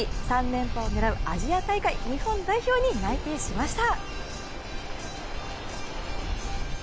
３連覇を狙うアジア大会日本代表に内定しました。